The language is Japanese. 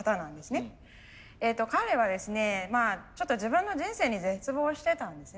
彼はですねちょっと自分の人生に絶望してたんですね。